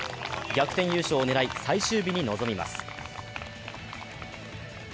逆転優勝を狙い、最終日に臨みます